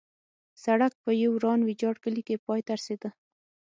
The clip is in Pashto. سړک په یو وران ویجاړ کلي کې پای ته رسېده.